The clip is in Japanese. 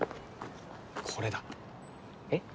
これだえっ？